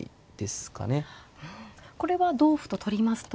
これは同歩と取りますと。